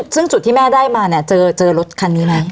ซึ่งจุดที่แม่ได้มาเนี่ยเจอรถคันนี้ไหม